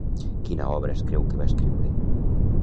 Quina obra es creu que va escriure?